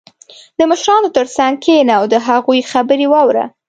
• د مشرانو تر څنګ کښېنه او د هغوی خبرې واوره.